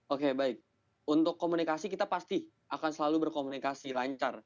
oke baik untuk komunikasi kita pasti akan selalu berkomunikasi lancar